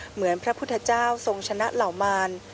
เหมือนพระพุทธเจ้าทรงชนะเหล่ามาร